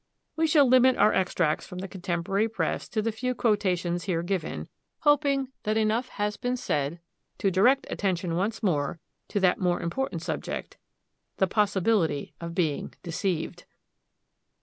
We shall limit our extracts from the contemporary press to the few quotations here given, hoping that enough has been said to direct attention once more to that important subject, the Possibility of Being Deceived.